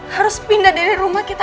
harus pindah dari rumah kita